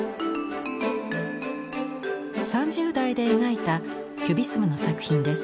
３０代で描いたキュビスムの作品です。